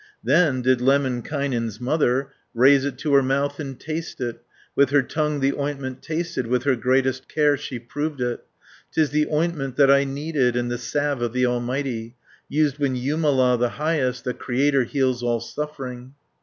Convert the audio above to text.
Then did Lemminkainen's mother Raise it to her mouth and taste it, With her tongue the ointment tasted, With the greatest care she proved it. "'Tis the ointment that I needed, And the salve of the Almighty, 540 Used when Jumala the Highest, The Creator heals all suffering."